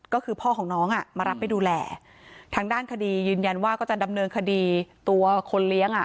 ก็คือพ่อของน้องอ่ะมารับไปดูแลทางด้านคดียืนยันว่าก็จะดำเนินคดีตัวคนเลี้ยงอ่ะ